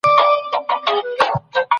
د اسماني کتابونو سپکاوی کفر دی.